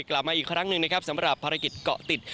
กลับมาอีกครั้งหนึ่งนะครับสำหรับภารกิจเกาะติด